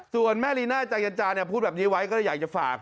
ส่วนแม่ลีน่าใจเย็นจาพูดแบบนี้ไว้ก็เลยอยากจะฝาก